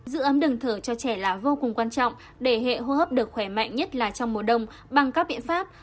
giữ ấm đường thở cho trẻ là vô cùng quan trọng để hệ hô hấp được khỏe mạnh nhất là trong mùa đông bằng các biện pháp